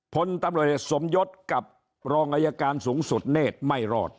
ผลตำรวจเอกสมยศกับรองอายการสูงสุดเนธไม่รอด